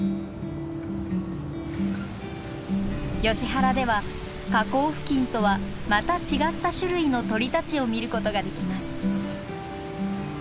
ヨシ原では河口付近とはまた違った種類の鳥たちを見ることができます。